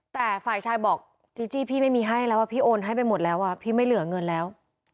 แต่ฝ่ายชายบอกจีจี้พี่ไม่มีให้แล้วพี่โอนให้ไปหมดแล้วพี่ไม่เหลือเงินแล้ว